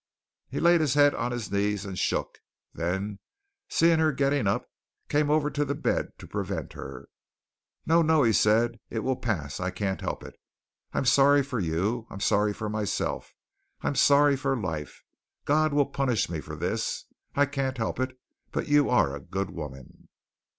He laid his head on his knees and shook, then seeing her getting up, came over to the bed to prevent her. "No, no," he said, "it will pass. I can't help it. I'm sorry for you. I'm sorry for myself. I'm sorry for life. God will punish me for this. I can't help it, but you are a good woman."